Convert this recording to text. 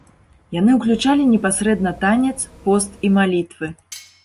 Яны ўключалі непасрэдна танец, пост і малітвы.